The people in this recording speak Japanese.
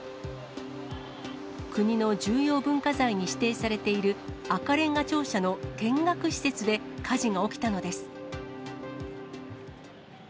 国の重要文化財に指定されている赤れんが庁舎の見学施設で火事が起きたのです。